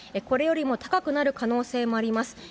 これよりも高くなる可能性もあります。